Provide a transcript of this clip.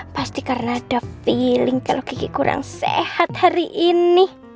pasti karena ada piling kalau gigi kurang sehat hari ini